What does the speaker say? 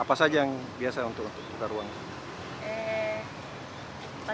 apa saja yang biasa untuk menukar uangnya